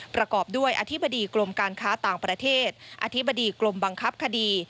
ประกอบด้วยอธิบดีกรมการค้าต่างประเทศอธิบดีกรมบังคับคดี